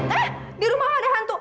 eh di rumah om ada hantu